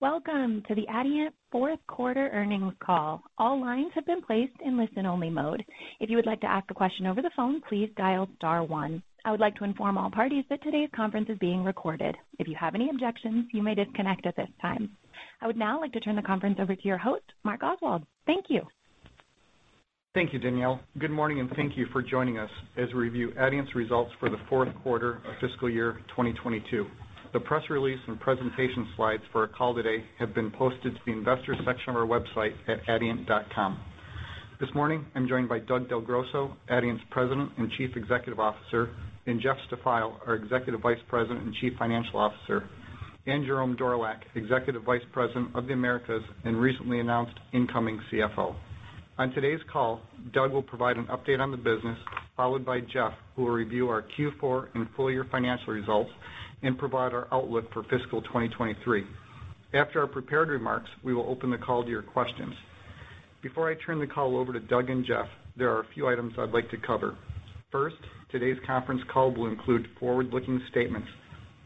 Welcome to the Adient fourth quarter earnings call. All lines have been placed in listen-only mode. If you would like to ask a question over the phone, please dial star one. I would like to inform all parties that today's conference is being recorded. If you have any objections, you may disconnect at this time. I would now like to turn the conference over to your host, Mark Oswald. Thank you. Thank you, Danielle. Good morning, and thank you for joining us as we review Adient's results for the fourth quarter of fiscal year 2022. The press release and presentation slides for our call today have been posted to the Investors section of our website at adient.com. This morning, I'm joined by Doug Del Grosso, Adient's President and Chief Executive Officer, and Jeff Stafeil, our Executive Vice President and Chief Financial Officer, and Jerome Dorlack, Executive Vice President of the Americas and recently announced incoming CFO. On today's call, Doug will provide an update on the business, followed by Jeff, who will review our Q4 and full-year financial results and provide our outlook for fiscal 2023. After our prepared remarks, we will open the call to your questions. Before I turn the call over to Doug and Jeff, there are a few items I'd like to cover. First, today's conference call will include forward-looking statements.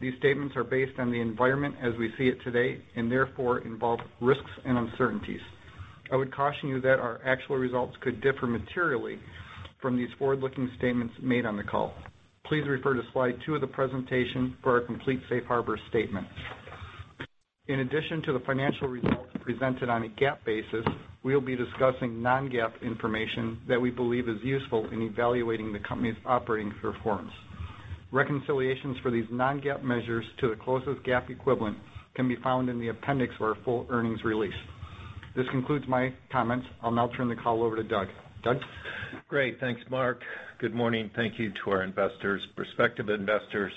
These statements are based on the environment as we see it today and therefore involve risks and uncertainties. I would caution you that our actual results could differ materially from these forward-looking statements made on the call. Please refer to slide 2 of the presentation for our complete safe harbor statement. In addition to the financial results presented on a GAAP basis, we'll be discussing non-GAAP information that we believe is useful in evaluating the company's operating performance. Reconciliations for these non-GAAP measures to the closest GAAP equivalent can be found in the appendix of our full earnings release. This concludes my comments. I'll now turn the call over to Doug. Doug? Great. Thanks, Mark. Good morning. Thank you to our investors, prospective investors,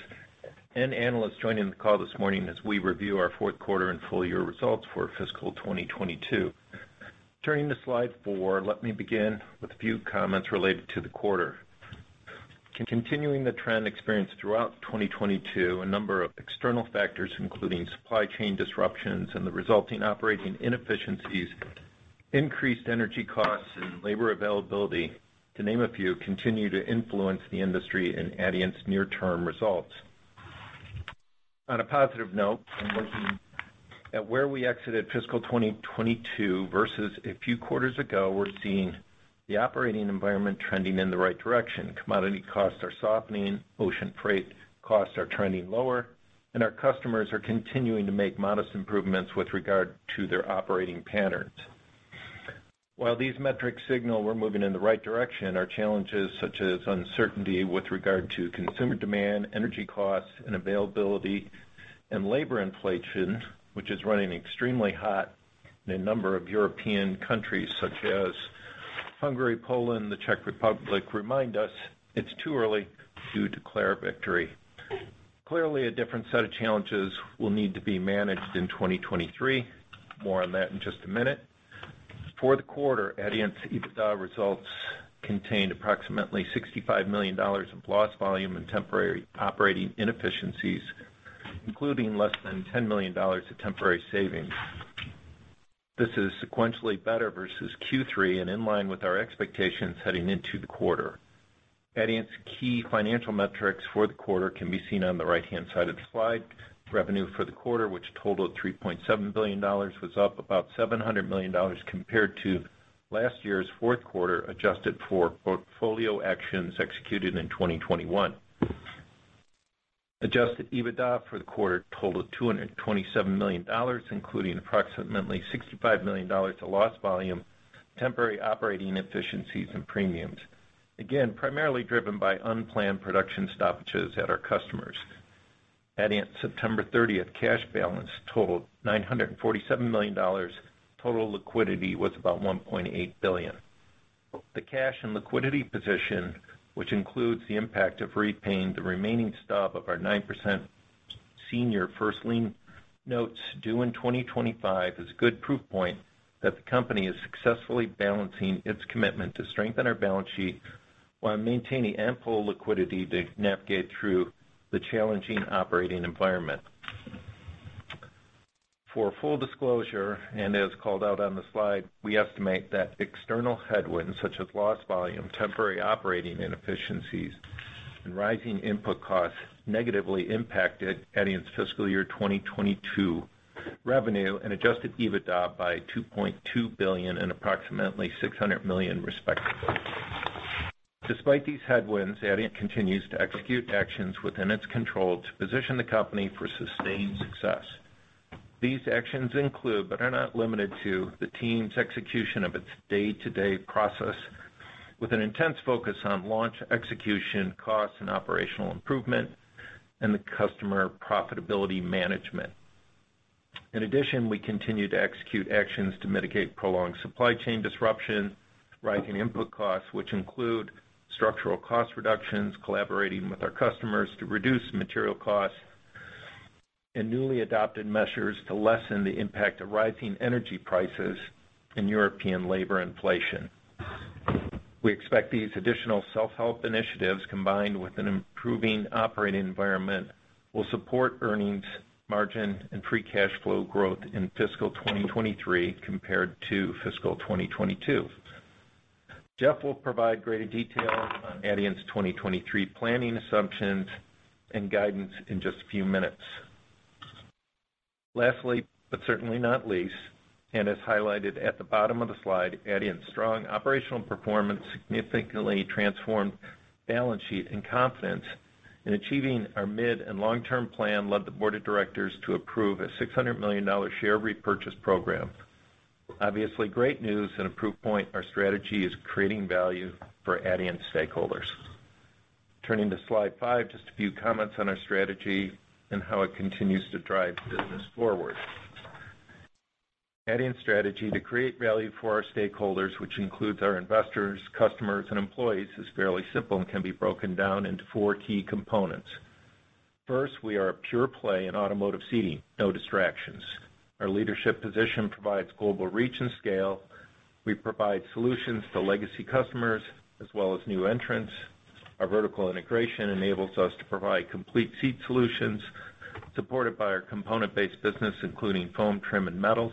and analysts joining the call this morning as we review our fourth quarter and full-year results for fiscal 2022. Turning to slide 4, let me begin with a few comments related to the quarter. Continuing the trend experienced throughout 2022, a number of external factors, including supply chain disruptions and the resulting operating inefficiencies, increased energy costs and labor availability, to name a few, continue to influence the industry and Adient's near-term results. On a positive note, when looking at where we exited fiscal 2022 versus a few quarters ago, we're seeing the operating environment trending in the right direction. Commodity costs are softening, ocean freight costs are trending lower, and our customers are continuing to make modest improvements with regard to their operating patterns. While these metrics signal we're moving in the right direction, our challenges, such as uncertainty with regard to consumer demand, energy costs and availability, and labor inflation, which is running extremely hot in a number of European countries such as Hungary, Poland, the Czech Republic, remind us it's too early to declare victory. Clearly, a different set of challenges will need to be managed in 2023. More on that in just a minute. For the quarter, Adient's EBITDA results contained approximately $65 million of lost volume and temporary operating inefficiencies, including less than $10 million of temporary savings. This is sequentially better versus Q3 and in line with our expectations heading into the quarter. Adient's key financial metrics for the quarter can be seen on the right-hand side of the slide. Revenue for the quarter, which totaled $3.7 billion, was up about $700 million compared to last year's fourth quarter, adjusted for portfolio actions executed in 2021. Adjusted EBITDA for the quarter totaled $227 million, including approximately $65 million of lost volume, temporary operating efficiencies and premiums. Again, primarily driven by unplanned production stoppages at our customers. Adient's September 30th cash balance totaled $947 million. Total liquidity was about $1.8 billion. The cash and liquidity position, which includes the impact of repaying the remaining stub of our 9% senior first lien notes due in 2025, is a good proof point that the company is successfully balancing its commitment to strengthen our balance sheet while maintaining ample liquidity to navigate through the challenging operating environment. For full disclosure, as called out on the slide, we estimate that external headwinds such as lost volume, temporary operating inefficiencies, and rising input costs negatively impacted Adient's fiscal year 2022 revenue and adjusted EBITDA by $2.2 billion and approximately $600 million, respectively. Despite these headwinds, Adient continues to execute actions within its control to position the company for sustained success. These actions include, but are not limited to, the team's execution of its day-to-day process with an intense focus on launch execution, cost and operational improvement, and the customer profitability management. In addition, we continue to execute actions to mitigate prolonged supply chain disruption, rising input costs, which include structural cost reductions, collaborating with our customers to reduce material costs, and newly adopted measures to lessen the impact of rising energy prices and European labor inflation. We expect these additional self-help initiatives, combined with an improving operating environment, will support earnings, margin, and free cash flow growth in fiscal 2023 compared to fiscal 2022. Jeff will provide greater detail on Adient's 2023 planning assumptions and guidance in just a few minutes. Lastly, but certainly not least, and as highlighted at the bottom of the slide, Adient's strong operational performance, significantly transformed balance sheet and confidence in achieving our mid and long-term plan led the board of directors to approve a $600 million share repurchase program. Obviously great news and a proof point our strategy is creating value for Adient stakeholders. Turning to slide 5, just a few comments on our strategy and how it continues to drive the business forward. Adient's strategy to create value for our stakeholders, which includes our investors, customers, and employees, is fairly simple and can be broken down into four key components. First, we are a pure play in automotive seating, no distractions. Our leadership position provides global reach and scale. We provide solutions to legacy customers as well as new entrants. Our vertical integration enables us to provide complete seat solutions supported by our component-based business, including foam, trim, and metals.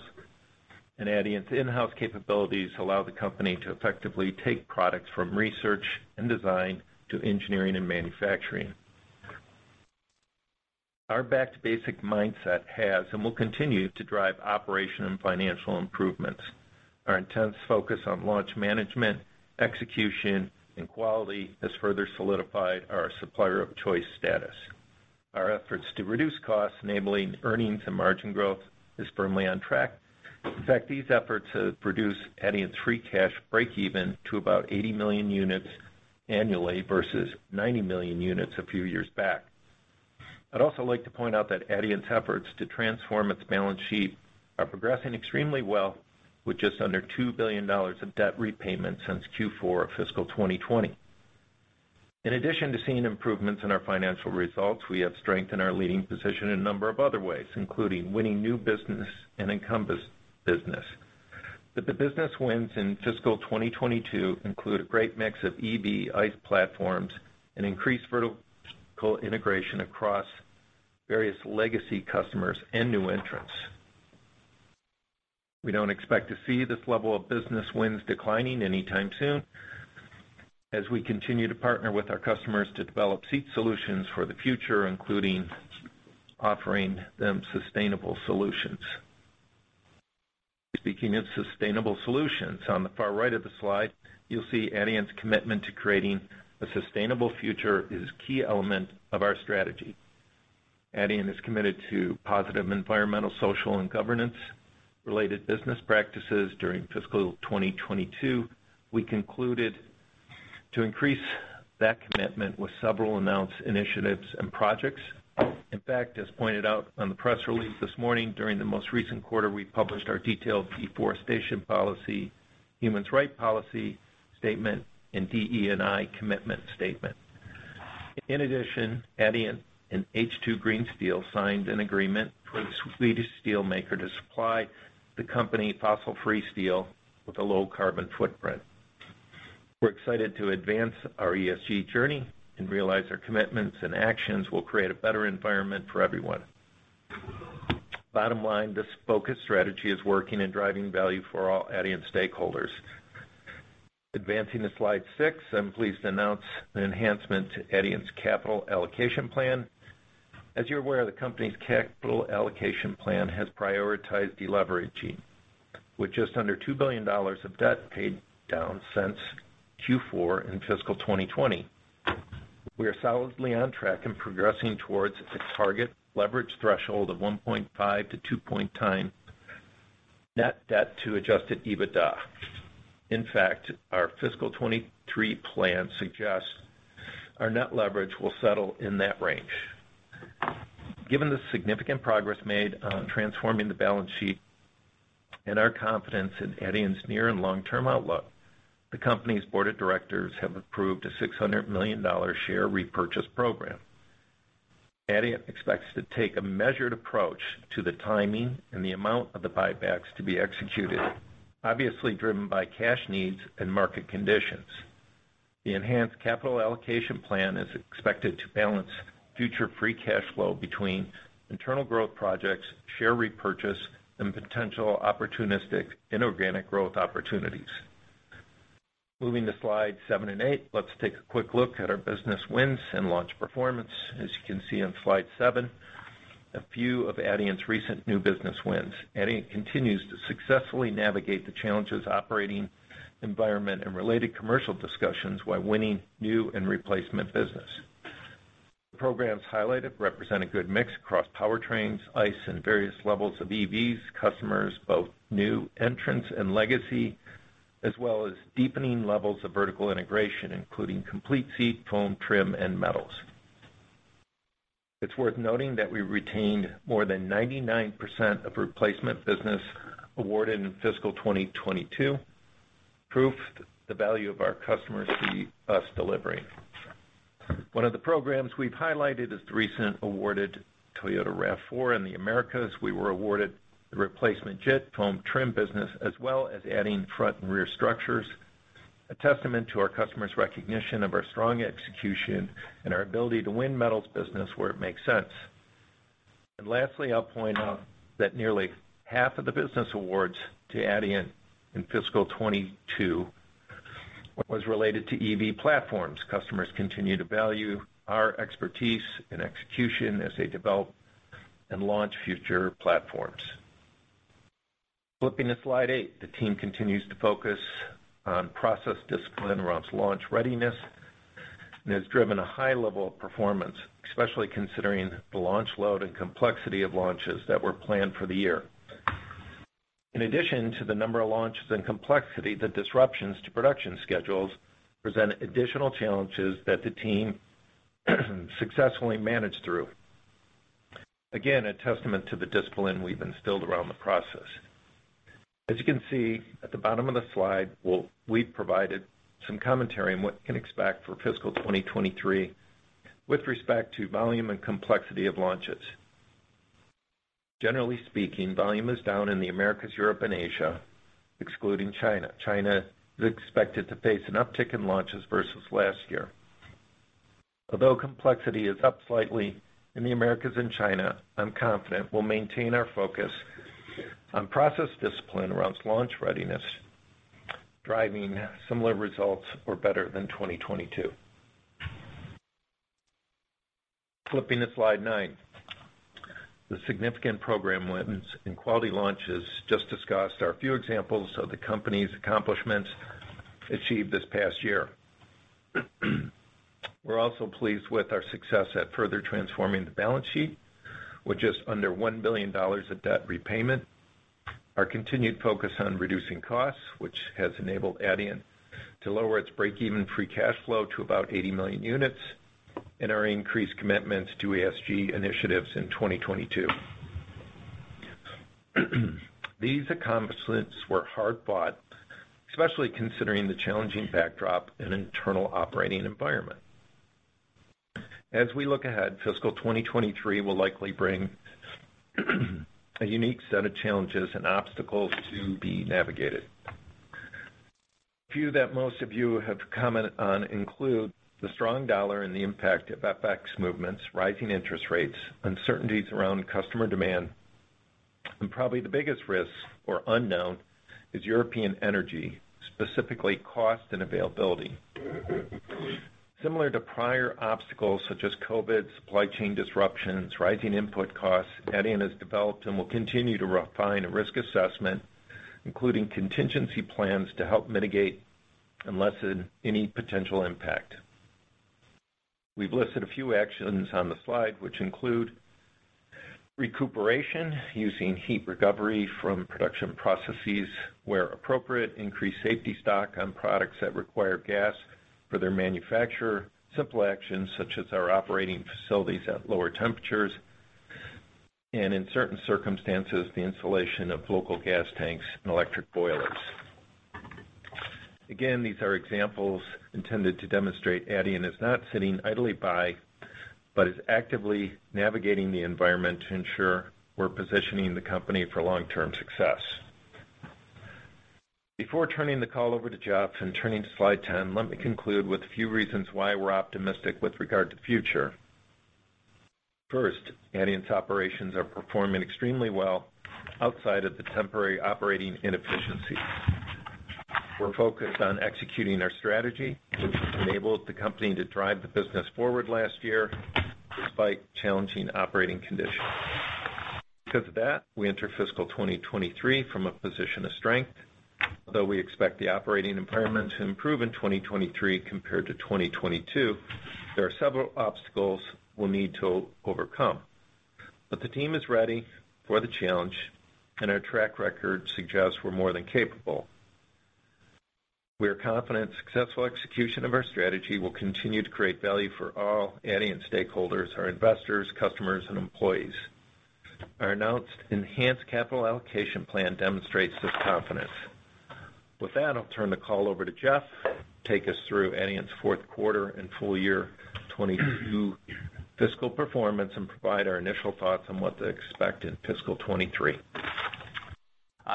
Adient's in-house capabilities allow the company to effectively take products from research and design to engineering and manufacturing. Our back-to-basics mindset has and will continue to drive operation and financial improvements. Our intense focus on launch management, execution, and quality has further solidified our supplier of choice status. Our efforts to reduce costs enabling earnings and margin growth is firmly on track. In fact, these efforts have reduced Adient's free cash breakeven to about 80 million units annually versus 90 million units a few years back. I'd also like to point out that Adient's efforts to transform its balance sheet are progressing extremely well with just under $2 billion of debt repayment since Q4 of fiscal 2020. In addition to seeing improvements in our financial results, we have strengthened our leading position in a number of other ways, including winning new business and encompass business. The business wins in fiscal 2022 include a great mix of EV, ICE platforms and increased vertical integration across various legacy customers and new entrants. We don't expect to see this level of business wins declining anytime soon as we continue to partner with our customers to develop seat solutions for the future, including offering them sustainable solutions. Speaking of sustainable solutions, on the far right of the slide, you'll see Adient's commitment to creating a sustainable future is a key element of our strategy. Adient is committed to positive environmental, social, and governance-related business practices during fiscal 2022. We concluded to increase that commitment with several announced initiatives and projects. In fact, as pointed out on the press release this morning, during the most recent quarter, we published our detailed deforestation policy, human rights policy statement, and DE&I commitment statement. In addition, Adient and H2 Green Steel signed an agreement for a Swedish steelmaker to supply the company fossil-free steel with a low carbon footprint. We're excited to advance our ESG journey and realize our commitments and actions will create a better environment for everyone. Bottom line, this focus strategy is working and driving value for all Adient stakeholders. Advancing to slide 6, I'm pleased to announce an enhancement to Adient's capital allocation plan. As you're aware, the company's capital allocation plan has prioritized deleveraging. With just under $2 billion of debt paid down since Q4 in fiscal 2020, we are solidly on track and progressing towards a target leverage threshold of 1.5x-2x net debt to adjusted EBITDA. In fact, our fiscal 2023 plan suggests our net leverage will settle in that range. Given the significant progress made on transforming the balance sheet and our confidence in Adient's near and long-term outlook, the company's board of directors have approved a $600 million share repurchase program. Adient expects to take a measured approach to the timing and the amount of the buybacks to be executed, obviously driven by cash needs and market conditions. The enhanced capital allocation plan is expected to balance future free cash flow between internal growth projects, share repurchase, and potential opportunistic inorganic growth opportunities. Moving to slide 7 and 8, let's take a quick look at our business wins and launch performance. As you can see on slide 7, a few of Adient's recent new business wins. Adient continues to successfully navigate the challenging operating environment and related commercial discussions while winning new and replacement business. The programs highlighted represent a good mix across powertrains, ICE, and various levels of EV customers, both new entrants and legacy, as well as deepening levels of vertical integration, including complete seat, foam, trim, and metals. It's worth noting that we retained more than 99% of replacement business awarded in fiscal 2022, proof of the value our customers see us delivering. One of the programs we've highlighted is the recent awarded Toyota RAV4 in the Americas. We were awarded the replacement JIT foam trim business, as well as adding front and rear structures, a testament to our customers' recognition of our strong execution and our ability to win metals business where it makes sense. Lastly, I'll point out that nearly half of the business awards to Adient in fiscal 2022 was related to EV platforms. Customers continue to value our expertise and execution as they develop and launch future platforms. Flipping to slide 8. The team continues to focus on process discipline around launch readiness, and has driven a high level of performance, especially considering the launch load and complexity of launches that were planned for the year. In addition to the number of launches and complexity, the disruptions to production schedules present additional challenges that the team successfully managed through. Again, a testament to the discipline we've instilled around the process. As you can see at the bottom of the slide, we've provided some commentary on what you can expect for fiscal 2023 with respect to volume and complexity of launches. Generally speaking, volume is down in the Americas, Europe and Asia, excluding China. China is expected to face an uptick in launches versus last year. Although complexity is up slightly in the Americas and China, I'm confident we'll maintain our focus on process discipline around launch readiness, driving similar results or better than 2022. Flipping to slide 9. The significant program wins and quality launches just discussed are a few examples of the company's accomplishments achieved this past year. We're also pleased with our success at further transforming the balance sheet with just under $1 billion of debt repayment. Our continued focus on reducing costs, which has enabled Adient to lower its break-even free cash flow to about 80 million units, and our increased commitments to ESG initiatives in 2022. These accomplishments were hard-fought, especially considering the challenging backdrop and internal operating environment. As we look ahead, fiscal 2023 will likely bring a unique set of challenges and obstacles to be navigated. A few that most of you have commented on include the strong dollar and the impact of FX movements, rising interest rates, uncertainties around customer demand, and probably the biggest risk or unknown is European energy, specifically cost and availability. Similar to prior obstacles such as COVID, supply chain disruptions, rising input costs, Adient has developed and will continue to refine a risk assessment, including contingency plans to help mitigate and lessen any potential impact. We've listed a few actions on the slide, which include recuperation using heat recovery from production processes where appropriate, increased safety stock on products that require gas for their manufacture, simple actions such as our operating facilities at lower temperatures, and in certain circumstances, the installation of local gas tanks and electric boilers. Again, these are examples intended to demonstrate Adient is not sitting idly by, but is actively navigating the environment to ensure we're positioning the company for long-term success. Before turning the call over to Jeff and turning to slide 10, let me conclude with a few reasons why we're optimistic with regard to the future. First, Adient's operations are performing extremely well outside of the temporary operating inefficiencies. We're focused on executing our strategy, which has enabled the company to drive the business forward last year despite challenging operating conditions. Because of that, we enter fiscal 2023 from a position of strength. Although we expect the operating environment to improve in 2023 compared to 2022, there are several obstacles we'll need to overcome. The team is ready for the challenge, and our track record suggests we're more than capable. We are confident successful execution of our strategy will continue to create value for all Adient stakeholders, our investors, customers and employees. Our announced enhanced capital allocation plan demonstrates this confidence. With that, I'll turn the call over to Jeff to take us through Adient's fourth quarter and full year 2022 fiscal performance and provide our initial thoughts on what to expect in fiscal 2023.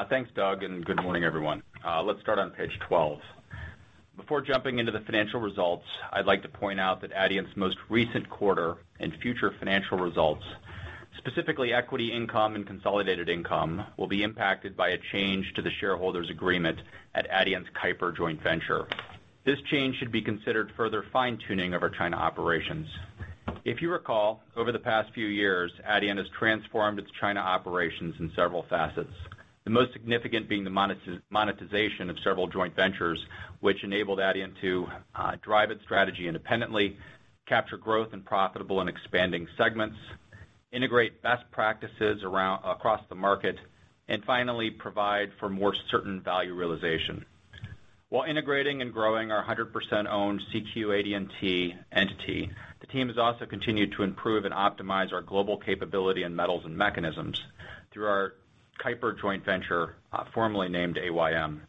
Thanks, Doug, and good morning, everyone. Let's start on page 12. Before jumping into the financial results, I'd like to point out that Adient's most recent quarter and future financial results, specifically equity income and consolidated income, will be impacted by a change to the shareholders agreement at Adient's Keiper joint venture. This change should be considered further fine-tuning of our China operations. If you recall, over the past few years, Adient has transformed its China operations in several facets. The most significant being the monetization of several joint ventures, which enabled Adient to drive its strategy independently, capture growth in profitable and expanding segments, integrate best practices across the market, and finally, provide for more certain value realization. While integrating and growing our 100% owned CQADNT entity, the team has also continued to improve and optimize our global capability in metals and mechanisms through our Keiper joint venture, formerly named AYM.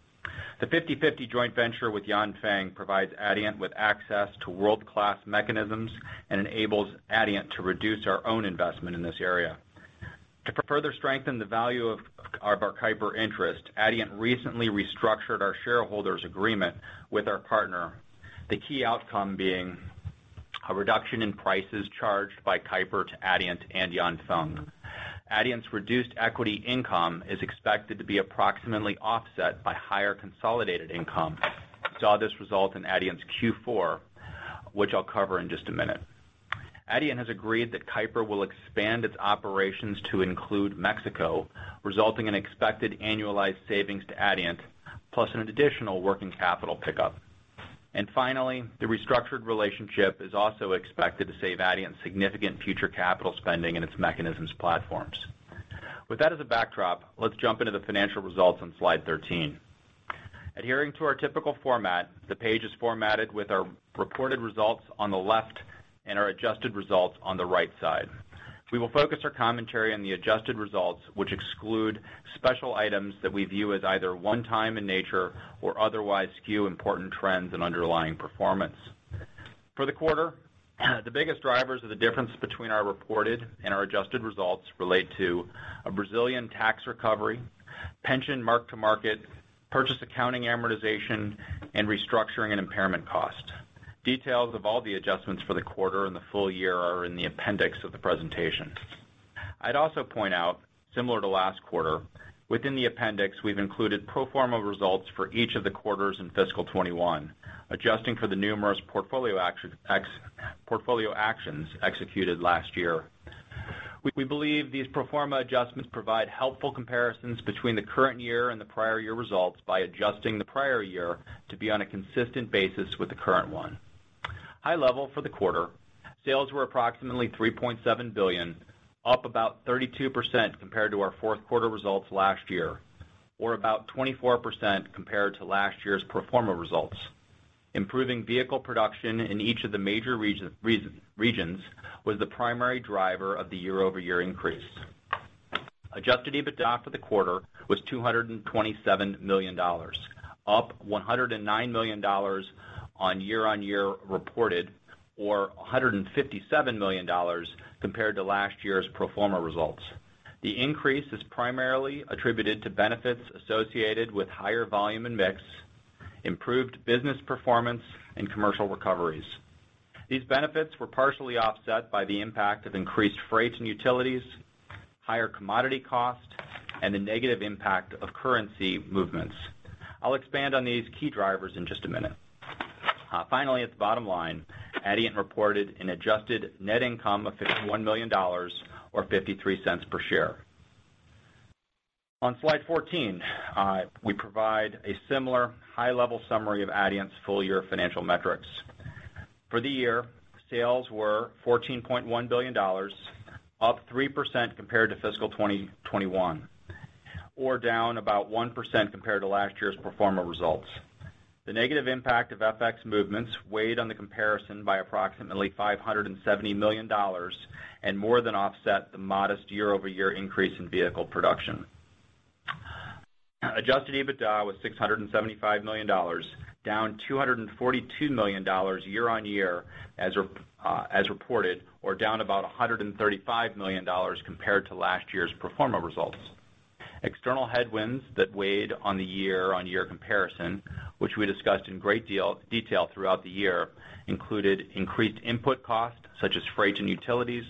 The 50/50 joint venture with Yanfeng provides Adient with access to world-class mechanisms and enables Adient to reduce our own investment in this area. To further strengthen the value of our Keiper interest, Adient recently restructured our shareholders agreement with our partner. The key outcome being a reduction in prices charged by Keiper to Adient and Yanfeng. Adient's reduced equity income is expected to be approximately offset by higher consolidated income. We saw this result in Adient's Q4, which I'll cover in just a minute. Adient has agreed that Keiper will expand its operations to include Mexico, resulting in expected annualized savings to Adient, plus an additional working capital pickup. Finally, the restructured relationship is also expected to save Adient significant future capital spending in its mechanisms platforms. With that as a backdrop, let's jump into the financial results on slide 13. Adhering to our typical format, the page is formatted with our reported results on the left and our adjusted results on the right side. We will focus our commentary on the adjusted results, which exclude special items that we view as either one-time in nature or otherwise skew important trends and underlying performance. For the quarter, the biggest drivers of the difference between our reported and our adjusted results relate to a Brazilian tax recovery, pension mark-to-market, purchase accounting amortization, and restructuring and impairment cost. Details of all the adjustments for the quarter and the full year are in the appendix of the presentation. I'd also point out, similar to last quarter, within the appendix, we've included pro forma results for each of the quarters in fiscal 2021, adjusting for the numerous portfolio actions executed last year. We believe these pro forma adjustments provide helpful comparisons between the current year and the prior year results by adjusting the prior year to be on a consistent basis with the current one. High level for the quarter, sales were approximately $3.7 billion, up about 32% compared to our fourth quarter results last year or about 24% compared to last year's pro forma results. Improving vehicle production in each of the major regions was the primary driver of the year-over-year increase. Adjusted EBITDA for the quarter was $227 million, up $109 million on year-over-year reported or $157 million compared to last year's pro forma results. The increase is primarily attributed to benefits associated with higher volume and mix, improved business performance, and commercial recoveries. These benefits were partially offset by the impact of increased freight and utilities, higher commodity costs, and the negative impact of currency movements. I'll expand on these key drivers in just a minute. Finally, at the bottom line, Adient reported an adjusted net income of $51 million or $0.53 per share. On slide 14, we provide a similar high-level summary of Adient's full-year financial metrics. For the year, sales were $14.1 billion, up 3% compared to fiscal 2021 or down about 1% compared to last year's pro forma results. The negative impact of FX movements weighed on the comparison by approximately $570 million and more than offset the modest year-over-year increase in vehicle production. Adjusted EBITDA was $675 million, down $242 million year-over-year as reported or down about $135 million compared to last year's pro forma results. External headwinds that weighed on the year-over-year comparison, which we discussed in great detail throughout the year, included increased input costs such as freight and utilities,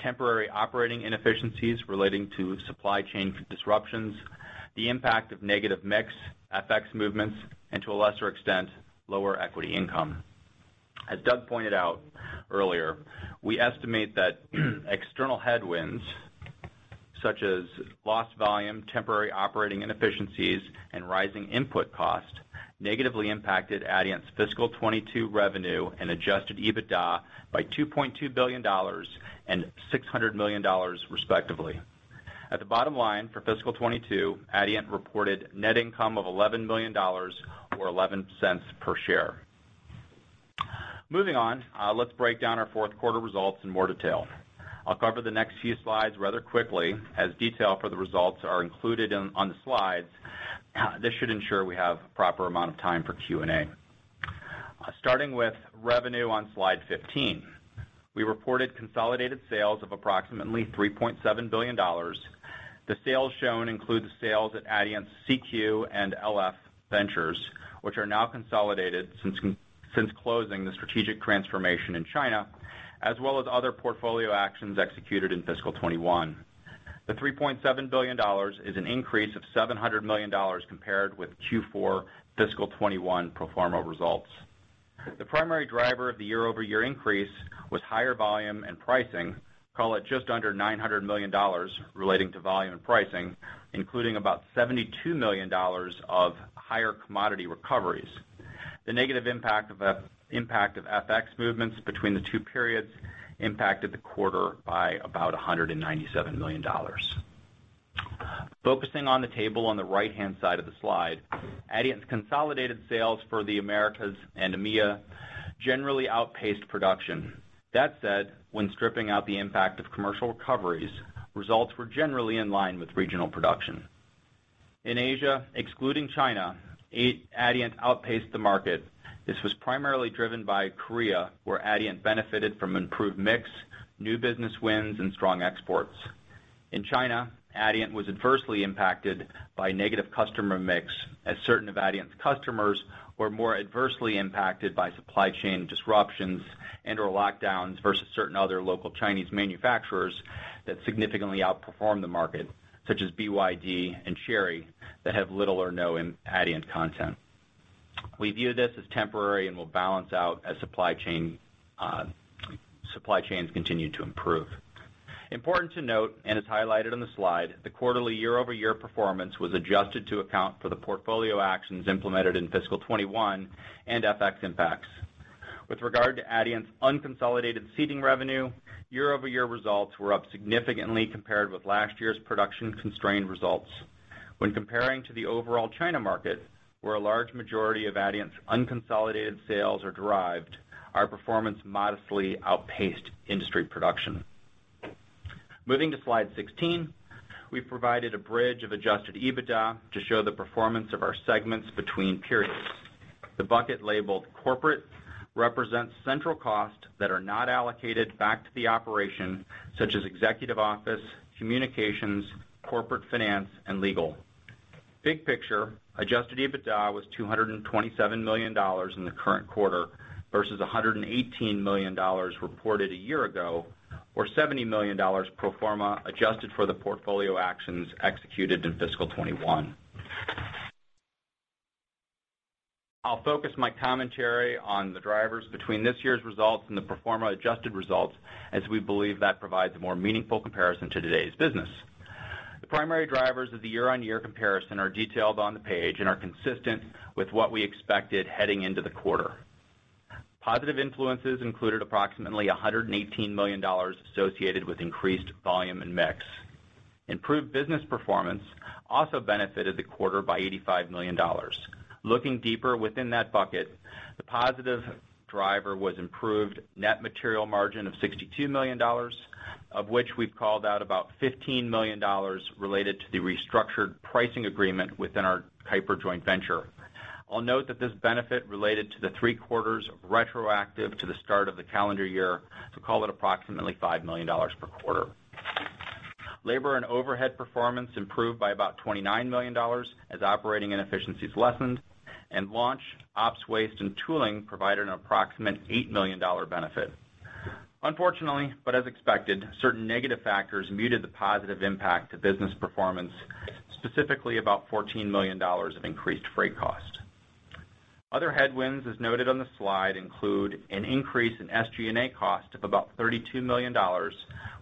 temporary operating inefficiencies relating to supply chain disruptions, the impact of negative mix, FX movements, and to a lesser extent, lower equity income. As Doug pointed out earlier, we estimate that external headwinds such as lost volume, temporary operating inefficiencies, and rising input costs negatively impacted Adient's fiscal 2022 revenue and adjusted EBITDA by $2.2 billion and $600 million, respectively. At the bottom line for fiscal 2022, Adient reported net income of $11 million or $0.11 per share. Moving on, let's break down our fourth quarter results in more detail. I'll cover the next few slides rather quickly as detail for the results are included on the slides. This should ensure we have proper amount of time for Q&A. Starting with revenue on slide 15. We reported consolidated sales of approximately $3.7 billion. The sales shown include the sales at Adient's CQ and LF ventures, which are now consolidated since closing the strategic transformation in China, as well as other portfolio actions executed in fiscal 2021. The $3.7 billion is an increase of $700 million compared with Q4 fiscal 2021 pro forma results. The primary driver of the year-over-year increase was higher volume and pricing. Call it just under $900 million relating to volume and pricing, including about $72 million of higher commodity recoveries. The negative impact of FX movements between the two periods impacted the quarter by about $197 million. Focusing on the table on the right-hand side of the slide, Adient's consolidated sales for the Americas and EMEA generally outpaced production. That said, when stripping out the impact of commercial recoveries, results were generally in line with regional production. In Asia, excluding China, Adient outpaced the market. This was primarily driven by Korea, where Adient benefited from improved mix, new business wins, and strong exports. In China, Adient was adversely impacted by negative customer mix as certain of Adient's customers were more adversely impacted by supply chain disruptions and/or lockdowns versus certain other local Chinese manufacturers that significantly outperformed the market, such as BYD and Chery that have little or no in Adient content. We view this as temporary and will balance out as supply chain, supply chains continue to improve. Important to note, and it's highlighted on the slide, the quarterly year-over-year performance was adjusted to account for the portfolio actions implemented in fiscal 2021 and FX impacts. With regard to Adient's unconsolidated seating revenue, year-over-year results were up significantly compared with last year's production-constrained results. When comparing to the overall China market, where a large majority of Adient's unconsolidated sales are derived, our performance modestly outpaced industry production. Moving to slide 16, we've provided a bridge of adjusted EBITDA to show the performance of our segments between periods. The bucket labeled Corporate represents central costs that are not allocated back to the operation, such as executive office, communications, corporate finance, and legal. Big picture, adjusted EBITDA was $227 million in the current quarter versus $118 million reported a year ago, or $70 million pro forma adjusted for the portfolio actions executed in fiscal 2021. I'll focus my commentary on the drivers between this year's results and the pro forma adjusted results as we believe that provides a more meaningful comparison to today's business. The primary drivers of the year-over-year comparison are detailed on the page and are consistent with what we expected heading into the quarter. Positive influences included approximately $118 million associated with increased volume and mix. Improved business performance also benefited the quarter by $85 million. Looking deeper within that bucket, the positive driver was improved net material margin of $62 million, of which we've called out about $15 million related to the restructured pricing agreement within our Keiper joint venture. I'll note that this benefit related to the three quarters retroactive to the start of the calendar year, so call it approximately $5 million per quarter. Labor and overhead performance improved by about $29 million as operating inefficiencies lessened, and launch, ops waste, and tooling provided an approximate $8 million benefit. Unfortunately, as expected, certain negative factors muted the positive impact to business performance, specifically about $14 million of increased freight cost. Other headwinds, as noted on the slide, include an increase in SG&A cost of about $32 million,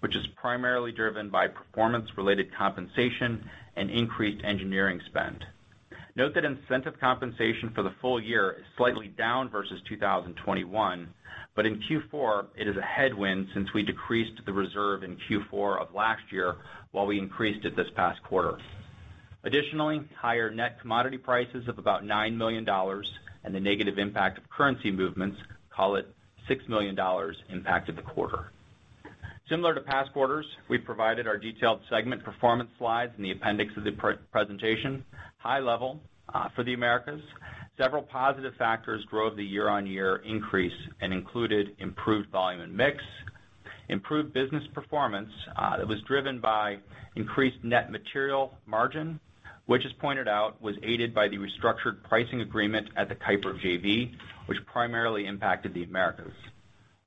which is primarily driven by performance-related compensation and increased engineering spend. Note that incentive compensation for the full year is slightly down versus 2021, but in Q4, it is a headwind since we decreased the reserve in Q4 of last year while we increased it this past quarter. Additionally, higher net commodity prices of about $9 million and the negative impact of currency movements, call it $6 million, impacted the quarter. Similar to past quarters, we've provided our detailed segment performance slides in the appendix of the pre-presentation. High level, for the Americas, several positive factors drove the year-over-year increase and included improved volume and mix, improved business performance, that was driven by increased net material margin. Which, as pointed out, was aided by the restructured pricing agreement at the Keiper JV, which primarily impacted the Americas.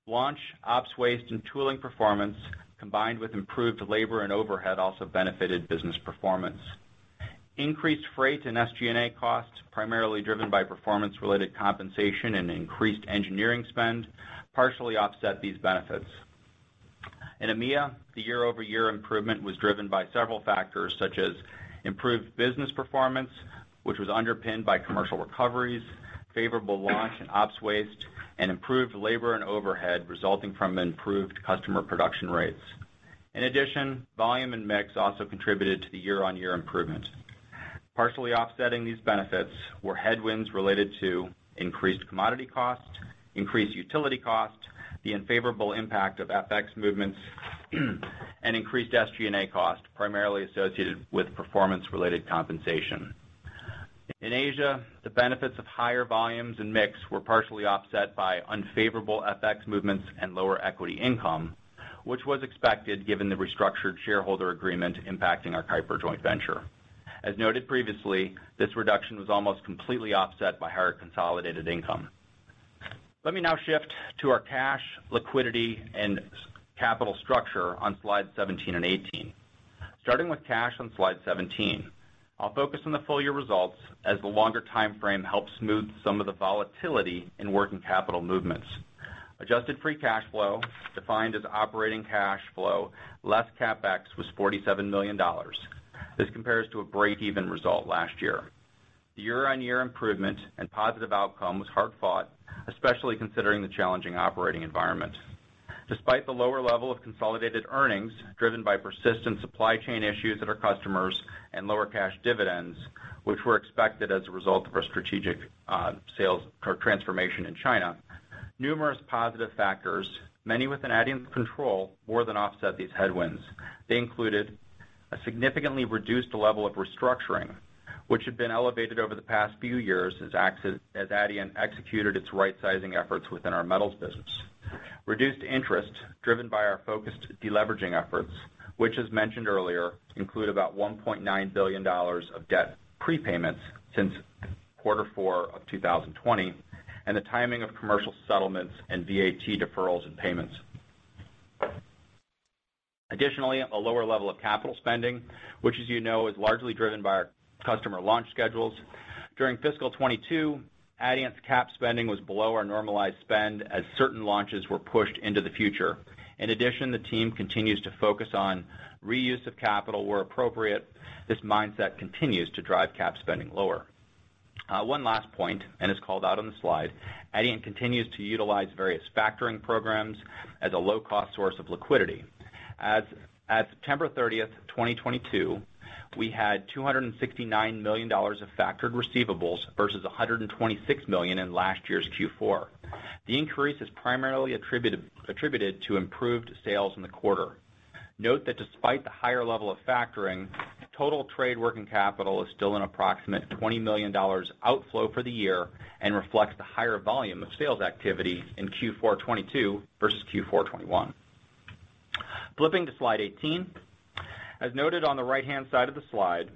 Launch, ops waste, and tooling performance, combined with improved labor and overhead, also benefited business performance. Increased freight and SG&A costs, primarily driven by performance-related compensation and increased engineering spend, partially offset these benefits. In EMEA, the year-over-year improvement was driven by several factors, such as improved business performance, which was underpinned by commercial recoveries, favorable launch and ops waste, and improved labor and overhead resulting from improved customer production rates. In addition, volume and mix also contributed to the year-over-year improvement. Partially offsetting these benefits were headwinds related to increased commodity costs, increased utility costs, the unfavorable impact of FX movements, and increased SG&A costs, primarily associated with performance-related compensation. In Asia, the benefits of higher volumes and mix were partially offset by unfavorable FX movements and lower equity income, which was expected given the restructured shareholder agreement impacting our Keiper joint venture. As noted previously, this reduction was almost completely offset by higher consolidated income. Let me now shift to our cash, liquidity, and capital structure on slides 17 and 18. Starting with cash on slide 17, I'll focus on the full year results as the longer timeframe helps smooth some of the volatility in working capital movements. Adjusted free cash flow, defined as operating cash flow, less CapEx, was $47 million. This compares to a breakeven result last year. The year-on-year improvement and positive outcome was hard-fought, especially considering the challenging operating environment. Despite the lower level of consolidated earnings driven by persistent supply chain issues at our customers and lower cash dividends, which were expected as a result of our strategic transformation in China. Numerous positive factors, many within Adient's control, more than offset these headwinds. They included a significantly reduced level of restructuring, which had been elevated over the past few years as Adient executed its rightsizing efforts within our metals business. Reduced interest driven by our focused deleveraging efforts, which as mentioned earlier, include about $1.9 billion of debt prepayments since quarter four of 2020, and the timing of commercial settlements and VAT deferrals and payments. Additionally, a lower level of capital spending, which as you know, is largely driven by our customer launch schedules. During fiscal 2022, Adient's Cap spending was below our normalized spend as certain launches were pushed into the future. In addition, the team continues to focus on reuse of capital where appropriate. This mindset continues to drive Cap spending lower. One last point, and it's called out on the slide. Adient continues to utilize various factoring programs as a low-cost source of liquidity. As September 30th, 2022, we had $269 million of factored receivables versus $126 million in last year's Q4. The increase is primarily attributed to improved sales in the quarter. Note that despite the higher level of factoring, total trade working capital is still an approximate $20 million outflow for the year and reflects the higher volume of sales activity in Q4 2022 versus Q4 2021. Flipping to slide 18. As noted on the right-hand side of the slide,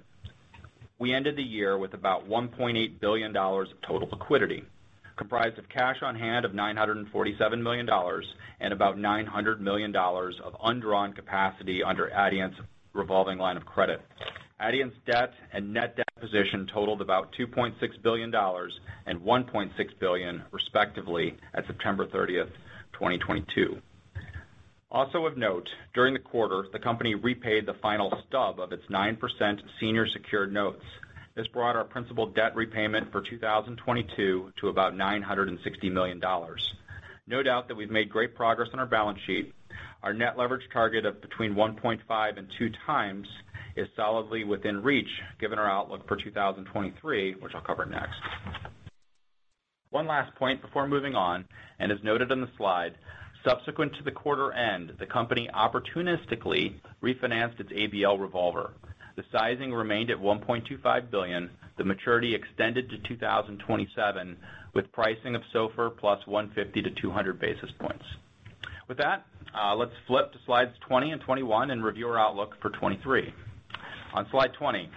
we ended the year with about $1.8 billion of total liquidity, comprised of cash on hand of $947 million and about $900 million of undrawn capacity under Adient's revolving line of credit. Adient's debt and net debt position totaled about $2.6 billion and $1.6 billion, respectively, at September 30th, 2022. Also of note, during the quarter, the company repaid the final stub of its 9% senior secured notes. This brought our principal debt repayment for 2022 to about $960 million. No doubt that we've made great progress on our balance sheet. Our net leverage target of between 1.5x and 2x is solidly within reach given our outlook for 2023, which I'll cover next. One last point before moving on, as noted on the slide, subsequent to the quarter end, the company opportunistically refinanced its ABL revolver. The sizing remained at $1.25 billion. The maturity extended to 2027, with pricing of SOFR plus 150-200 basis points. With that, let's flip to slides 20 and 21 and review our outlook for 2023. On slide 20,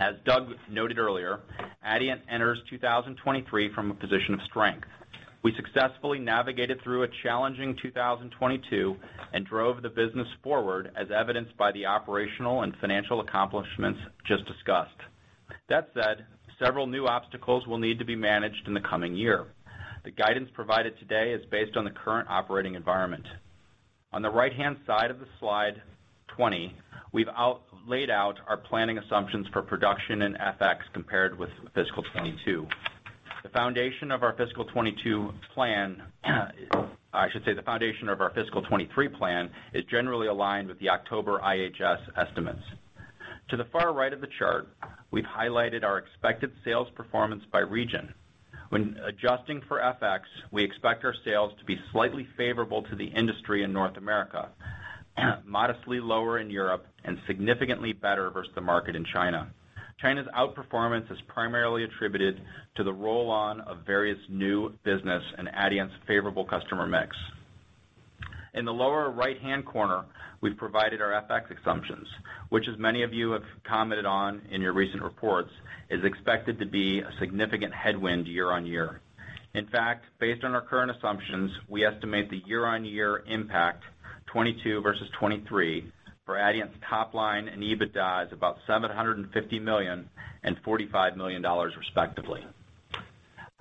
as Doug noted earlier, Adient enters 2023 from a position of strength. We successfully navigated through a challenging 2022 and drove the business forward as evidenced by the operational and financial accomplishments just discussed. That said, several new obstacles will need to be managed in the coming year. The guidance provided today is based on the current operating environment. On the right-hand side of the slide 20, we've laid out our planning assumptions for production and FX compared with fiscal 2022. The foundation of our fiscal 2022 plan, I should say the foundation of our fiscal 2023 plan is generally aligned with the October IHS estimates. To the far right of the chart, we've highlighted our expected sales performance by region. When adjusting for FX, we expect our sales to be slightly favorable to the industry in North America, modestly lower in Europe, and significantly better versus the market in China. China's outperformance is primarily attributed to the rollout of various new business and Adient's favorable customer mix. In the lower right-hand corner, we've provided our FX assumptions, which as many of you have commented on in your recent reports, is expected to be a significant headwind year-on-year. In fact, based on our current assumptions, we estimate the year-on-year impact, 2022 versus 2023, for Adient's top line and EBITDA is about $750 million and $45 million, respectively.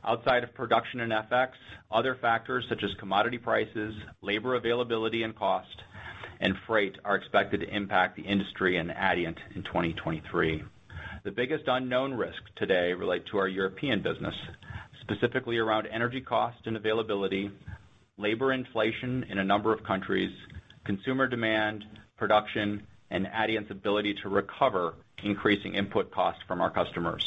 Outside of production and FX, other factors such as commodity prices, labor availability, and cost, and freight are expected to impact the industry and Adient in 2023. The biggest unknown risks today relate to our European business, specifically around energy cost and availability, labor inflation in a number of countries, consumer demand, production, and Adient's ability to recover increasing input costs from our customers.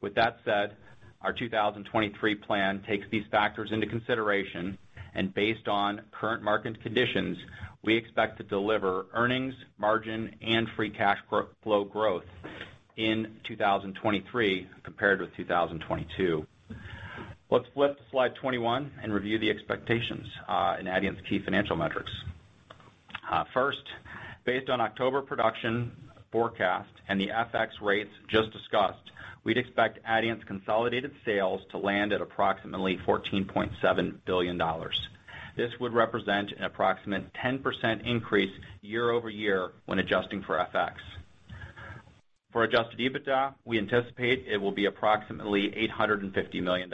With that said, our 2023 plan takes these factors into consideration, and based on current market conditions, we expect to deliver earnings, margin, and free cash flow growth in 2023 compared with 2022. Let's flip to slide 21 and review the expectations in Adient's key financial metrics. First, based on October production forecast and the FX rates just discussed, we'd expect Adient's consolidated sales to land at approximately $14.7 billion. This would represent an approximate 10% increase year-over-year when adjusting for FX. For adjusted EBITDA, we anticipate it will be approximately $850 million.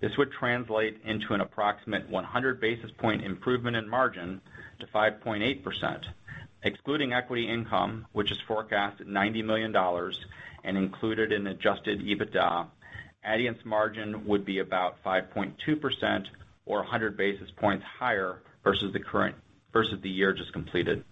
This would translate into an approximate 100 basis point improvement in margin to 5.8%. Excluding equity income, which is forecast at $90 million and included in adjusted EBITDA, Adient's margin would be about 5.2% or 100 basis points higher versus the year just completed.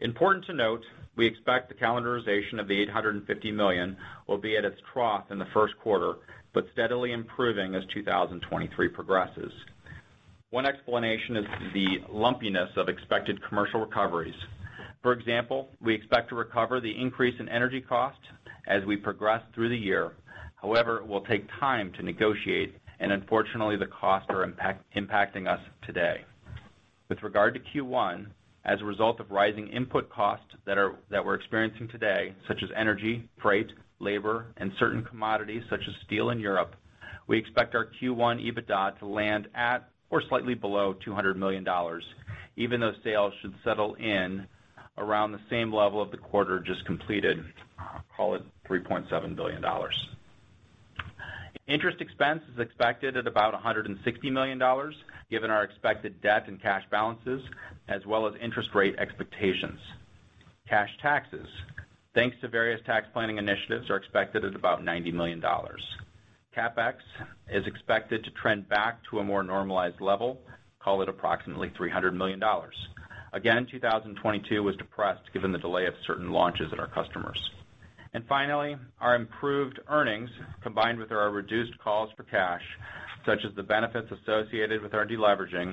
Important to note, we expect the calendarization of the $850 million will be at its trough in the first quarter, but steadily improving as 2023 progresses. One explanation is the lumpiness of expected commercial recoveries. For example, we expect to recover the increase in energy costs as we progress through the year. However, it will take time to negotiate, and unfortunately, the costs are impacting us today. With regard to Q1, as a result of rising input costs that we're experiencing today, such as energy, freight, labor, and certain commodities, such as steel in Europe, we expect our Q1 EBITDA to land at or slightly below $200 million, even though sales should settle in around the same level of the quarter just completed, call it $3.7 billion. Interest expense is expected at about $160 million, given our expected debt and cash balances, as well as interest rate expectations. Cash taxes, thanks to various tax planning initiatives, are expected at about $90 million. CapEx is expected to trend back to a more normalized level, call it approximately $300 million. Again, 2022 was depressed given the delay of certain launches at our customers. Finally, our improved earnings, combined with our reduced calls for cash, such as the benefits associated with our deleveraging,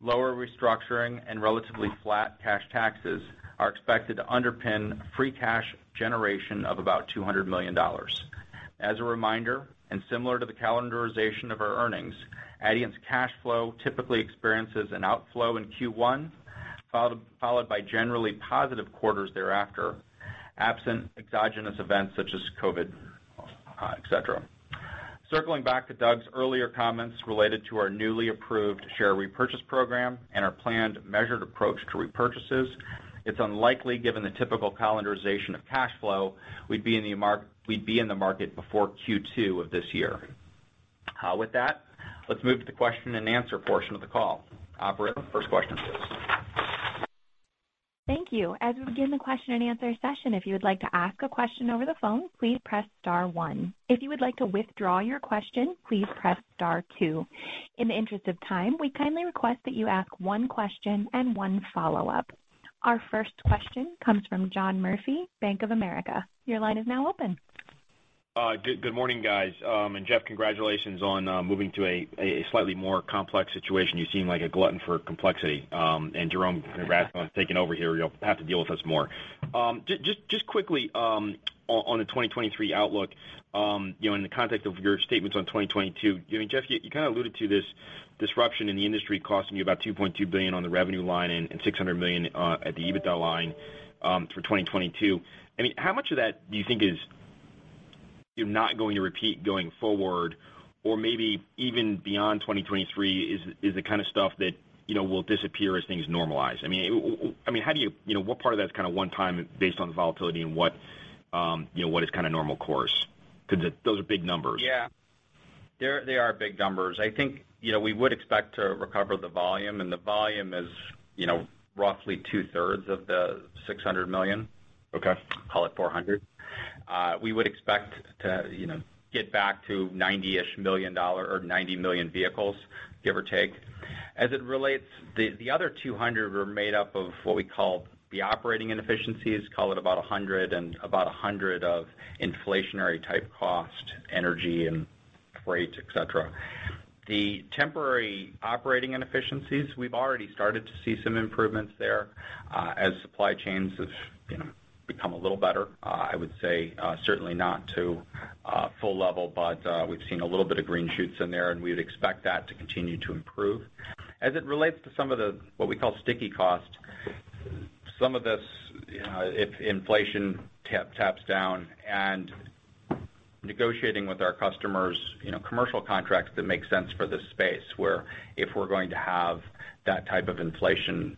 lower restructuring, and relatively flat cash taxes, are expected to underpin free cash generation of about $200 million. As a reminder, and similar to the calendarization of our earnings, Adient's cash flow typically experiences an outflow in Q1, followed by generally positive quarters thereafter, absent exogenous events such as COVID, et cetera. Circling back to Doug's earlier comments related to our newly approved share repurchase program and our planned measured approach to repurchases, it's unlikely, given the typical calendarization of cash flow, we'd be in the market before Q2 of this year. With that, let's move to the question-and-answer portion of the call. Operator, first question, please. Thank you. As we begin the question-and-answer session, if you would like to ask a question over the phone, please press star one. If you would like to withdraw your question, please press star two. In the interest of time, we kindly request that you ask one question and one follow-up. Our first question comes from John Murphy, Bank of America. Your line is now open. Good morning, guys. Jeff Stafeil, congratulations on moving to a slightly more complex situation. You seem like a glutton for complexity. Jerome Dorlack taking over here, you'll have to deal with us more. Just quickly, on the 2023 outlook, you know, in the context of your statements on 2022, I mean, Jeff, you kinda alluded to this disruption in the industry costing you about $2.2 billion on the revenue line and $600 million at the EBITDA line, for 2022. I mean, how much of that do you think is you're not going to repeat going forward or maybe even beyond 2023 is the kinda stuff that, you know, will disappear as things normalize? I mean, how do you... You know, what part of that is kinda one time based on the volatility and what, you know, what is kinda normal course 'cause those are big numbers. Yeah. They are big numbers. I think, you know, we would expect to recover the volume, and the volume is, you know, roughly two-thirds of the $600 million. Okay. Call it $400. We would expect to, you know, get back to $90-ish million or 90 million vehicles, give or take. As it relates, the other 200 were made up of what we call the operating inefficiencies, call it about $100, and about $100 of inflationary type cost, energy and freight, et cetera. The temporary operating inefficiencies, we've already started to see some improvements there, as supply chains have, you know, become a little better, I would say, certainly not to full level, but we've seen a little bit of green shoots in there, and we'd expect that to continue to improve. As it relates to some of the, what we call sticky costs, some of this, if inflation taps down and negotiating with our customers, you know, commercial contracts that make sense for this space, where if we're going to have that type of inflation,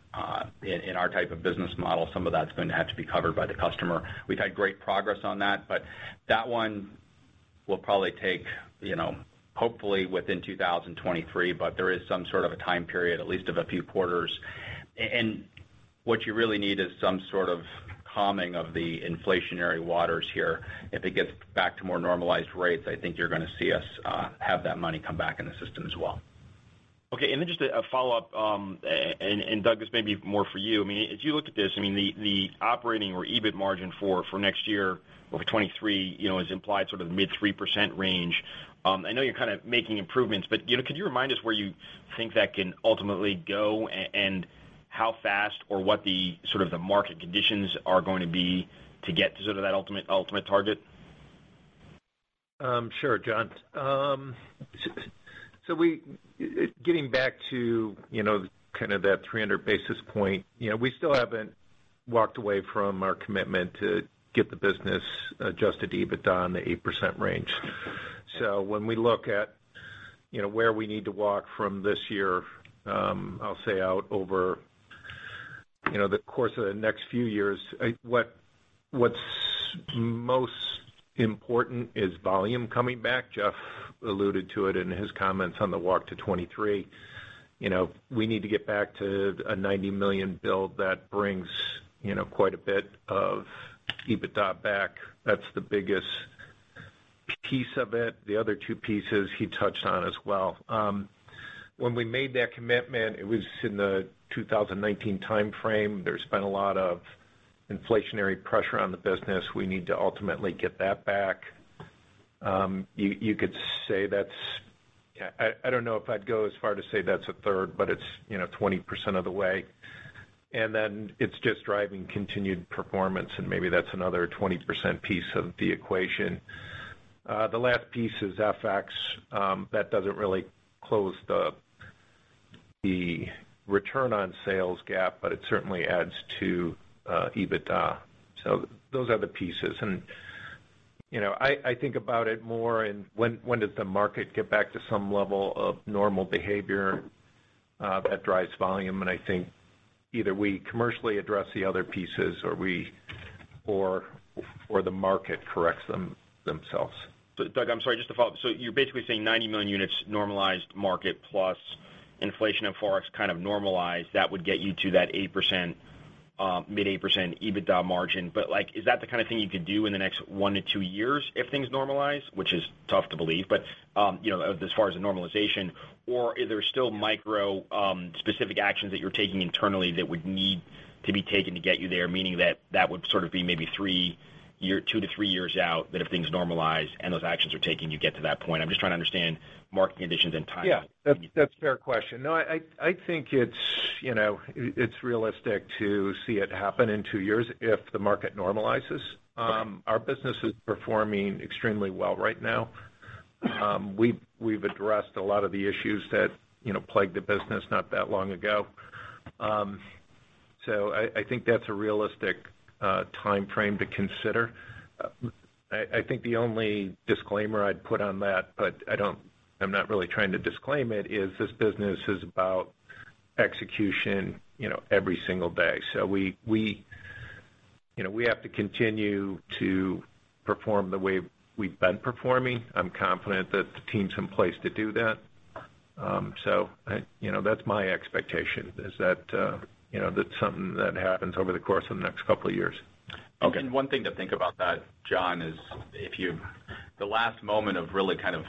in our type of business model, some of that's going to have to be covered by the customer. We've had great progress on that, but that one will probably take, you know, hopefully within 2023, but there is some sort of a time period, at least of a few quarters. And what you really need is some sort of calming of the inflationary waters here. If it gets back to more normalized rates, I think you're gonna see us, have that money come back in the system as well. Okay. Just a follow-up, and Doug, this may be more for you. I mean, as you look at this, I mean, the operating or EBIT margin for next year or for 2023, you know, is implied sort of mid-3% range. I know you're kinda making improvements, but, you know, could you remind us where you think that can ultimately go and how fast or what the sort of the market conditions are going to be to get to sort of that ultimate target? Sure, John. We're getting back to, you know, kind of that 300 basis points, you know, we still haven't walked away from our commitment to get the business adjusted EBITDA in the 8% range. When we look at, you know, where we need to walk from this year, I'll say out over, you know, the course of the next few years, what's most important is volume coming back. Jeff alluded to it in his comments on the walk to 2023. You know, we need to get back to a 90 million build that brings, you know, quite a bit of EBITDA back. That's the biggest piece of it. The other two pieces he touched on as well. When we made that commitment, it was in the 2019 time frame. There's been a lot of inflationary pressure on the business. We need to ultimately get that back. You could say that's—I don't know if I'd go as far to say that's a third, but it's, you know, 20% of the way. Then it's just driving continued performance, and maybe that's another 20% piece of the equation. The last piece is FX. That doesn't really close the return on sales gap, but it certainly adds to EBITDA. Those are the pieces. You know, I think about it more in when does the market get back to some level of normal behavior that drives volume. I think either we commercially address the other pieces or the market corrects themselves. Doug, I'm sorry, just to follow up. You're basically saying 90 million units normalized market plus inflation and Forex kind of normalized, that would get you to that 8%, mid-8% EBITDA margin. Like, is that the kind of thing you could do in the next 1-2 years if things normalize, which is tough to believe, but you know, as far as the normalization, or are there still micro, specific actions that you're taking internally that would need to be taken to get you there, meaning that that would sort of be maybe 2-3 years out that if things normalize and those actions are taken, you get to that point? I'm just trying to understand market conditions and timing. That's a fair question. No, I think it's, you know, it's realistic to see it happen in two years if the market normalizes. Our business is performing extremely well right now. We've addressed a lot of the issues that, you know, plagued the business not that long ago. So I think that's a realistic time frame to consider. I think the only disclaimer I'd put on that, but I'm not really trying to disclaim it, is this business is about execution, you know, every single day. So we, you know, we have to continue to perform the way we've been performing. I'm confident that the team's in place to do that. You know, that's my expectation is that, you know, that's something that happens over the course of the next couple of years. Okay. One thing to think about that, John, is the last moment of really kind of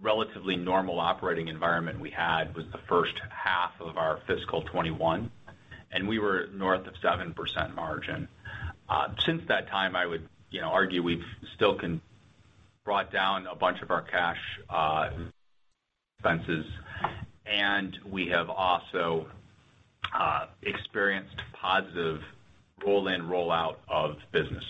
relatively normal operating environment we had was the first half of our fiscal 2021, and we were north of 7% margin. Since that time, I would, you know, argue we've still brought down a bunch of our cash expenses, and we have also experienced positive roll in, roll out of business.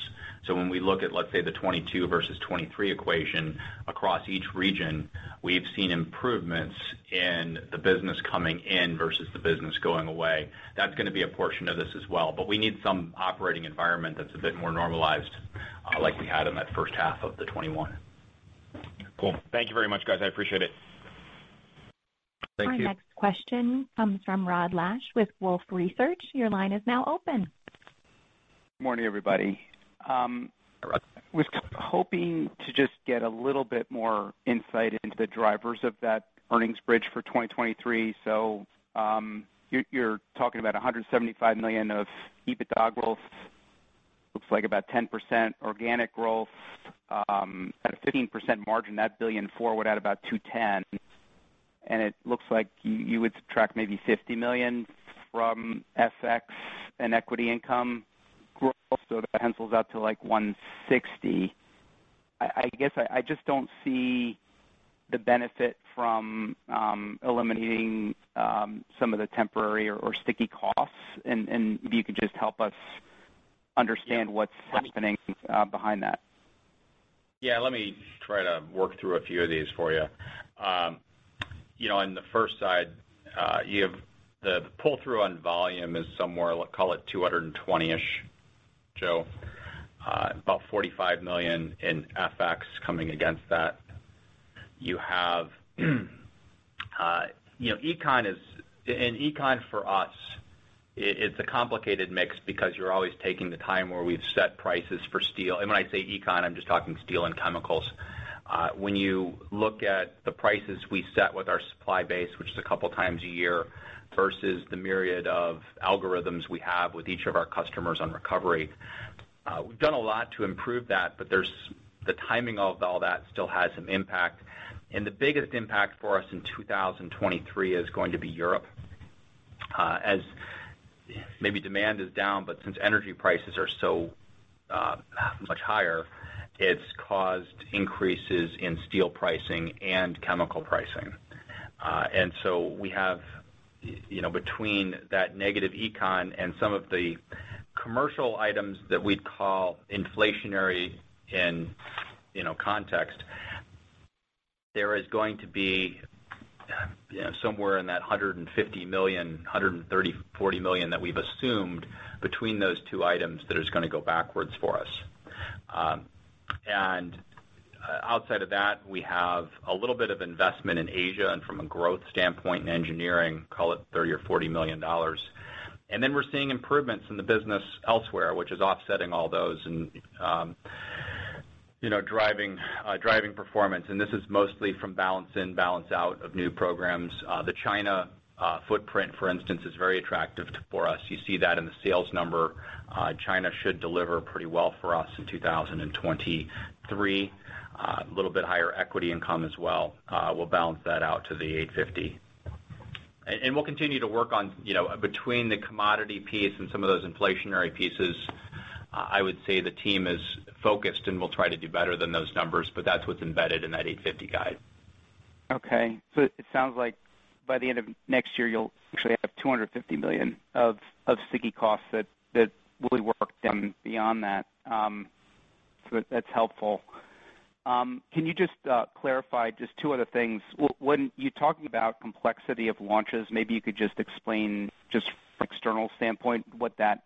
When we look at, let's say, the 2022 versus 2023 equation across each region, we've seen improvements in the business coming in versus the business going away. That's gonna be a portion of this as well. We need some operating environment that's a bit more normalized, like we had in that first half of the 2021. Cool. Thank you very much, guys. I appreciate it. Thank you. Our next question comes from Rod Lache with Wolfe Research. Your line is now open. Morning, everybody. Hi, Rod. was hoping to just get a little bit more insight into the drivers of that earnings bridge for 2023. You're talking about $175 million of EBITDA growth. Looks like about 10% organic growth at a 15% margin. That $1.4 billion would add about $210 million. It looks like you would subtract maybe $50 million from FX and equity income growth. That pencils out to, like, $160 million. I guess I just don't see the benefit from eliminating some of the temporary or sticky costs. If you could just help us understand what's happening behind that. Yeah. Let me try to work through a few of these for you. You know, on the first side, you have the pull-through on volume is somewhere, call it 220-ish. About $45 million in FX coming against that. You have, econ is econ for us, it's a complicated mix because you're always taking the time where we've set prices for steel. When I say econ, I'm just talking steel and chemicals. When you look at the prices we set with our supply base, which is a couple of times a year, versus the myriad of algorithms we have with each of our customers on recovery, we've done a lot to improve that, but there's the timing of all that still has some impact. The biggest impact for us in 2023 is going to be Europe, as maybe demand is down, but since energy prices are so much higher, it's caused increases in steel pricing and chemical pricing. And so we have, you know, between that negative econ and some of the commercial items that we'd call inflationary in, you know, context, there is going to be, you know, somewhere in that $150 million, $130 million, $140 million that we've assumed between those two items that is gonna go backwards for us. Outside of that, we have a little bit of investment in Asia and from a growth standpoint in engineering, call it $30 million or $40 million. Then we're seeing improvements in the business elsewhere, which is offsetting all those and, you know, driving performance. This is mostly from balance in, balance out of new programs. The China footprint, for instance, is very attractive for us. You see that in the sales number. China should deliver pretty well for us in 2023. A little bit higher equity income as well will balance that out to the $850. We'll continue to work on, you know, between the commodity piece and some of those inflationary pieces. I would say the team is focused, and we'll try to do better than those numbers, but that's what's embedded in that $850 guide. Okay. It sounds like by the end of next year, you'll actually have $250 million of sticky costs that will work then beyond that. That's helpful. Can you just clarify just two other things? When you're talking about complexity of launches, maybe you could just explain just from an external standpoint, what that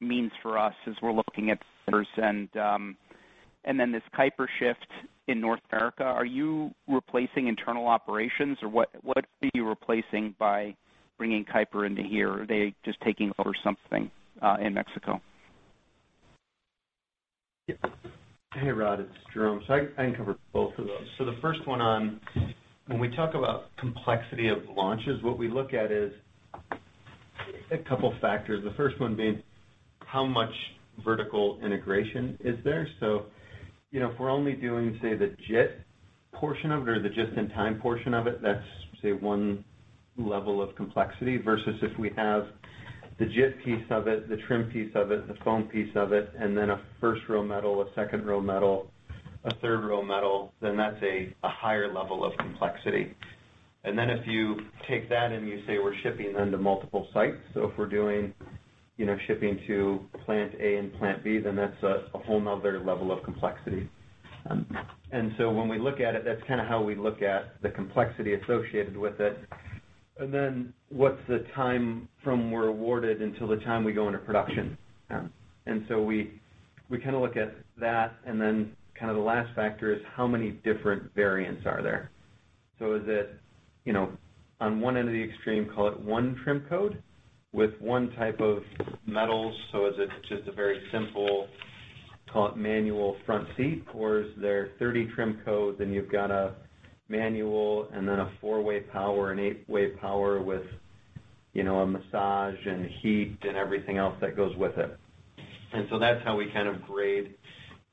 means for us as we're looking at this. This Keiper shift in North America, are you replacing internal operations, or what are you replacing by bringing Keiper into here? Are they just taking over something in Mexico? Hey, Rod, it's Jerome. I can cover both of those. The first one on when we talk about complexity of launches, what we look at is a couple factors. The first one being how much vertical integration is there. You know, if we're only doing, say, the JIT portion of it or the just-in-time portion of it, that's, say, one level of complexity versus if we have the JIT piece of it, the trim piece of it, the foam piece of it, and then a first row metal, a second row metal, a third row metal, then that's a higher level of complexity. If you take that and you say we're shipping them to multiple sites, so if we're doing, you know, shipping to plant A and plant B, then that's a whole 'nother level of complexity. When we look at it, that's kinda how we look at the complexity associated with it. What's the time from we're awarded until the time we go into production? We kinda look at that, and then kind of the last factor is how many different variants are there. Is it, you know, on one end of the extreme, call it one trim code with one type of metal, so is it just a very simple, call it manual front seat, or is there 30 trim codes, and you've got a manual and then a 4-way power, an 8-way power with, you know, a massage and heat and everything else that goes with it. That's how we kind of grade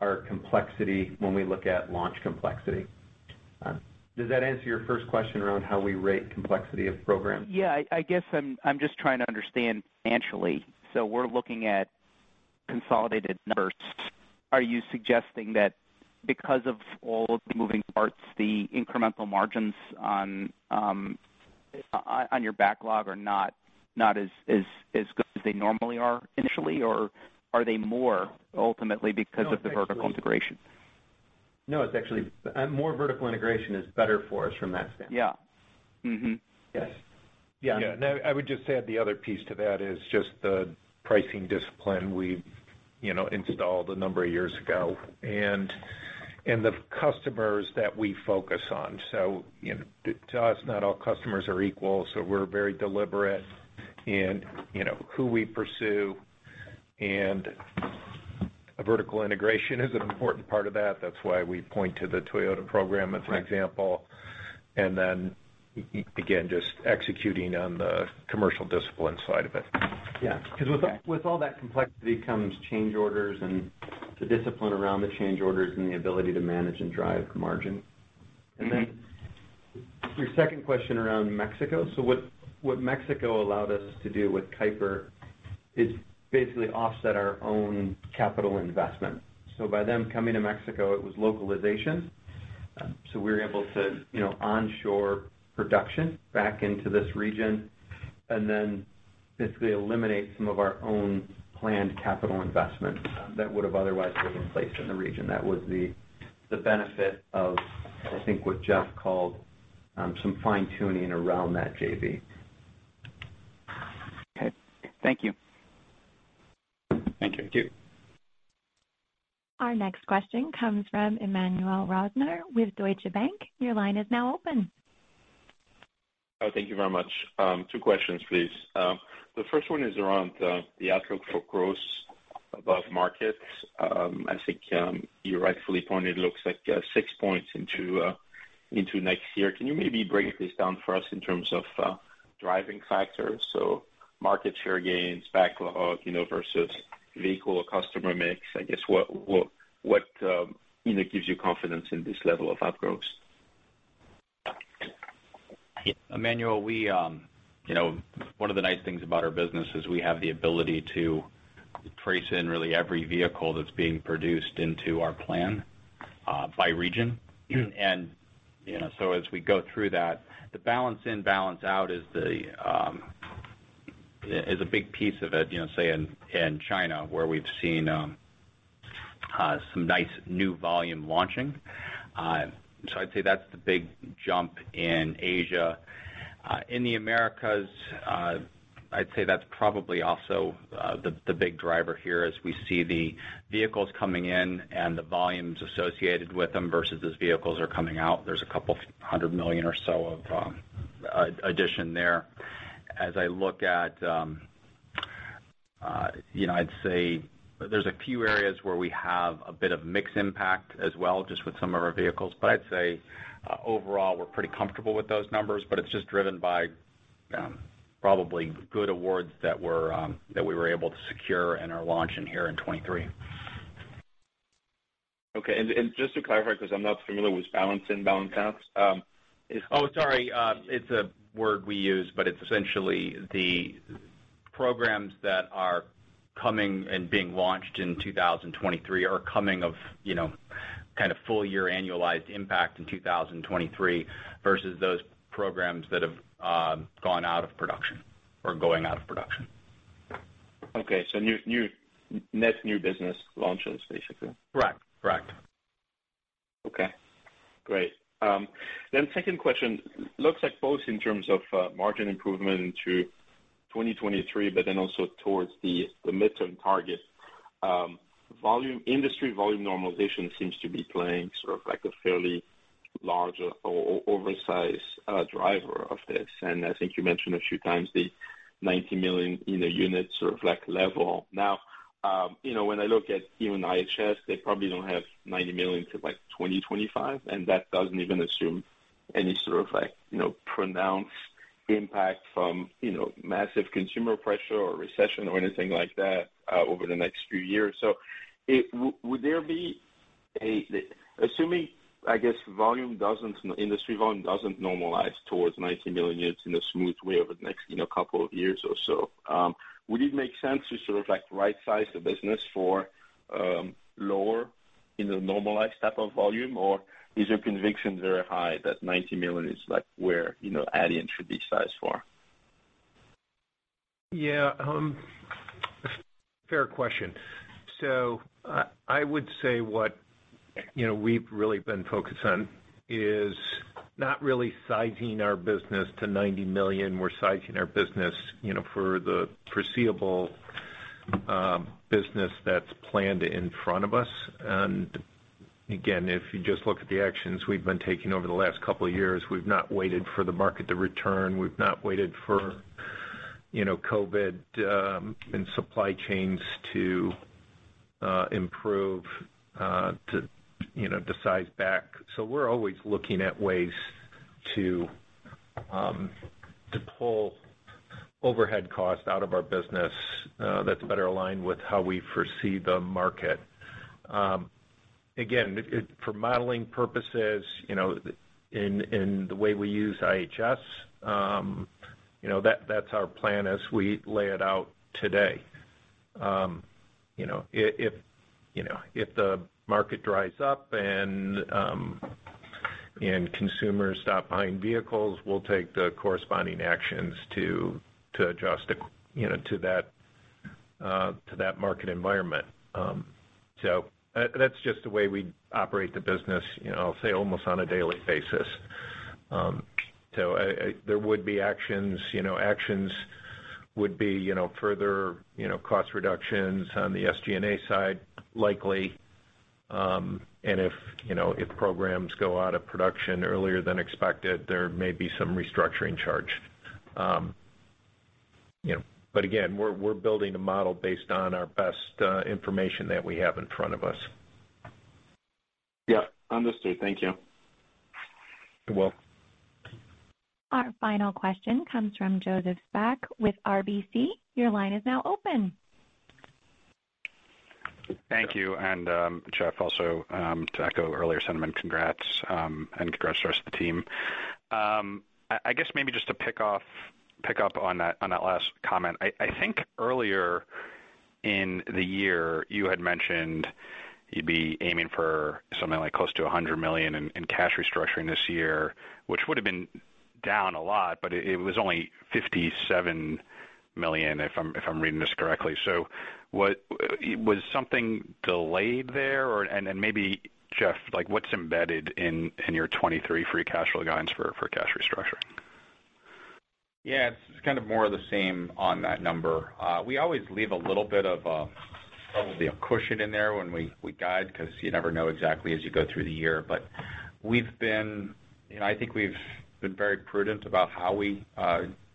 our complexity when we look at launch complexity. Does that answer your first question around how we rate complexity of programs? Yeah. I guess I'm just trying to understand financially. We're looking at consolidated numbers. Are you suggesting that because of all of the moving parts, the incremental margins on your backlog are not as good as they normally are initially? Or are they more ultimately because of the vertical integration? No, it's actually, more vertical integration is better for us from that standpoint. Yeah. Mm-hmm. Yes. Yeah. I would just add the other piece to that is just the pricing discipline we, you know, installed a number of years ago and the customers that we focus on. You know, to us, not all customers are equal, so we're very deliberate in, you know, who we pursue. A vertical integration is an important part of that. That's why we point to the Toyota program as an example. Then, again, just executing on the commercial discipline side of it. Yeah. 'Cause with all that complexity comes change orders and the discipline around the change orders and the ability to manage and drive margin. Mm-hmm. Your second question around Mexico. What Mexico allowed us to do with Keiper is basically offset our own capital investment. By them coming to Mexico, it was localization. We were able to, you know, onshore production back into this region and then basically eliminate some of our own planned capital investment, that would've otherwise taken place in the region. That was the benefit of, I think, what Jeff called, some fine-tuning around that JV. Okay. Thank you. Thank you. Thank you. Our next question comes from Emmanuel Rosner with Deutsche Bank. Your line is now open. Oh, thank you very much. Two questions, please. The first one is around the outlook for growth above markets. I think you rightfully pointed it looks like 6 points into next year. Can you maybe break this down for us in terms of driving factors? So market share gains, backlog, you know, versus vehicle or customer mix. I guess what you know gives you confidence in this level of up growth? Yeah. Emmanuel, we, you know, one of the nice things about our business is we have the ability to trace in really every vehicle that's being produced into our plan, by region. You know, so as we go through that, the balance in, balance out is a big piece of it, you know, say in China, where we've seen some nice new volume launching. So I'd say that's the big jump in Asia. In the Americas, I'd say that's probably also the big driver here as we see the vehicles coming in and the volumes associated with them versus as vehicles are coming out. There's $200 million or so of addition there. As I look at, you know, I'd say there's a few areas where we have a bit of mix impact as well, just with some of our vehicles. I'd say overall, we're pretty comfortable with those numbers, but it's just driven by probably good awards that we were able to secure and are launching here in 2023. Okay. Just to clarify, 'cause I'm not familiar with balance-ins and balance-outs, if- It's a word we use, but it's essentially the programs that are coming and being launched in 2023 are coming off, you know, kind of full year annualized impact in 2023 versus those programs that have gone out of production or going out of production. Net new business launches, basically. Right. Right. Okay, great. Second question. Looks like both in terms of margin improvement into 2023, but then also towards the midterm target. Industry volume normalization seems to be playing sort of like a fairly larger or oversized driver of this. I think you mentioned a few times the 90 million in the unit sort of like level. Now, you know, when I look at even IHS, they probably don't have 90 million till like 2025, and that doesn't even assume any sort of like, you know, pronounced impact from, you know, massive consumer pressure or recession or anything like that over the next few years. Would there be a Assuming, I guess volume doesn't, industry volume doesn't normalize towards 90 million units in a smooth way over the next, you know, couple of years or so, would it make sense to sort of like right-size the business for, lower in the normalized type of volume? Or is your conviction very high that 90 million is like where, you know, Adient should be sized for? Yeah. Fair question. I would say what, you know, we've really been focused on is not really sizing our business to $90 million. We're sizing our business, you know, for the foreseeable business that's planned in front of us. If you just look at the actions we've been taking over the last couple of years, we've not waited for the market to return. We've not waited for, you know, COVID and supply chains to improve to size back. We're always looking at ways to pull overhead costs out of our business that's better aligned with how we foresee the market. Again, it for modeling purposes, you know, in the way we use IHS, you know, that's our plan as we lay it out today. You know, if the market dries up and consumers stop buying vehicles, we'll take the corresponding actions to adjust, you know, to that market environment. That's just the way we operate the business, you know, I'll say almost on a daily basis. There would be actions, you know, further, you know, cost reductions on the SG&A side likely. You know, if programs go out of production earlier than expected, there may be some restructuring charge. You know, but again, we're building a model based on our best information that we have in front of us. Yeah. Understood. Thank you. You're welcome. Our final question comes from Joseph Spak with RBC. Your line is now open. Thank you. Jeff, also, to echo earlier sentiment, congrats, and congrats to rest of the team. I guess maybe just to pick up on that, on that last comment. I think earlier in the year you had mentioned you'd be aiming for something like close to $100 million in cash restructuring this year, which would've been down a lot, but it was only $57 million, if I'm reading this correctly. What was something delayed there or. Maybe, Jeff, like what's embedded in your 2023 free cash flow guidance for cash restructuring? Yeah. It's kind of more of the same on that number. We always leave a little bit of probably a cushion in there when we guide, 'cause you never know exactly as you go through the year. We've been. You know, I think we've been very prudent about how we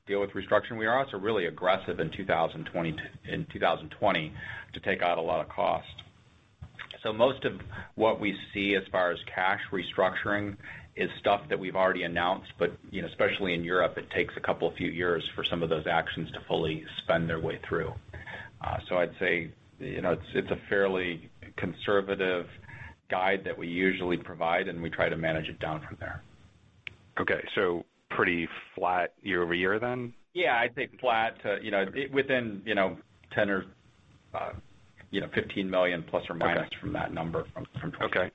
deal with restructuring. We were also really aggressive in 2020 to take out a lot of cost. Most of what we see as far as cash restructuring is stuff that we've already announced, but, you know, especially in Europe, it takes a couple few years for some of those actions to fully spend their way through. I'd say, you know, it's a fairly conservative guide that we usually provide, and we try to manage it down from there. Okay. Pretty flat year-over-year then? Yeah. I'd say flat to, you know, within, you know, $10 million or $15 million plus or minus. Okay. from that number, from 2022. Okay.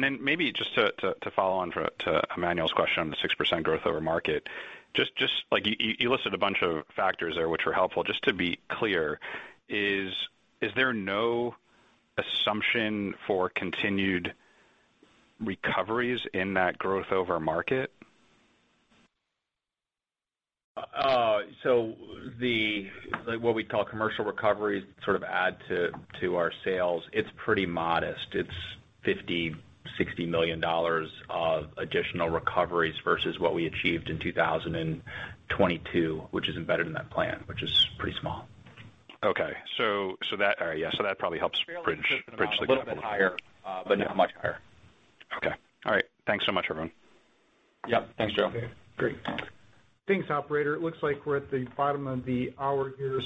Maybe just to follow on to Emmanuel's question on the 6% growth over market. Just like you listed a bunch of factors there which were helpful. Just to be clear, is there no assumption for continued recoveries in that growth over market? Like what we call commercial recoveries sort of add to our sales. It's pretty modest. It's $50 million-$60 million of additional recoveries versus what we achieved in 2022, which is embedded in that plan, which is pretty small. Yeah. That probably helps bridge the gap a little bit. A little bit higher, but not much higher. Okay. All right. Thanks so much, everyone. Yeah. Thanks, Joe. Okay, great. Thanks, operator. It looks like we're at the bottom of the hour here.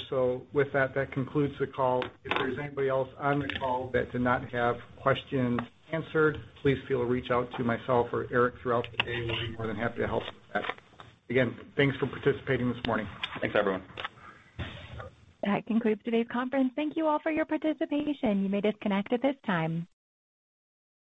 With that concludes the call. If there's anybody else on the call that did not have questions answered, please feel free to reach out to myself or Eric throughout the day. We'll be more than happy to help with that. Again, thanks for participating this morning. Thanks, everyone. That concludes today's conference. Thank you all for your participation. You may disconnect at this time.